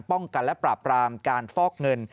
ป้องกันและปราบรามการฟอกเงิน